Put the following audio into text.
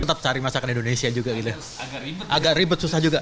tetap cari masakan indonesia juga gitu agak ribet susah juga